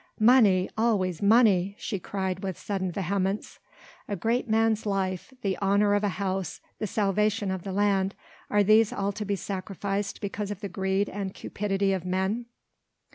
Money! always money!" she cried with sudden vehemence, "a great man's life, the honour of a house, the salvation of the land, are these all to be sacrificed because of the greed and cupidity of men?"